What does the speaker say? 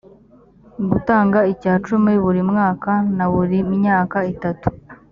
gutanga icya cumi buri mwaka na buri myaka itatu